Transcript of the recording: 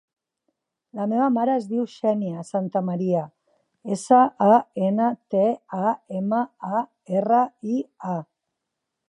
La meva mare es diu Xènia Santamaria: essa, a, ena, te, a, ema, a, erra, i, a.